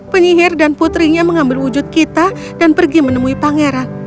penyihir dan putrinya mengambil wujud kita dan pergi menemui pangeran